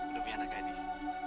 udah punya anak gadis